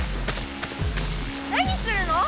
何するの！